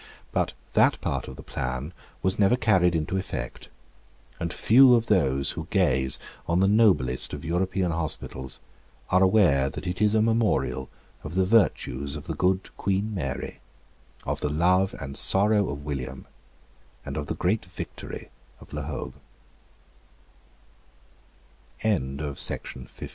But that part of the plan was never carried into effect; and few of those who now gaze on the noblest of European hospitals are aware that it is a memorial of the virtues of the good Queen Mary, of the love and sorrow of William, and of the great victory of La Hogue.